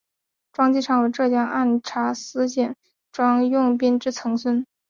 庄际昌为浙江按察司佥事庄用宾之曾孙。